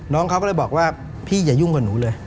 น้องเขาก็เลยบอกว่าพี่อย่ายุ่งกับหนูเลย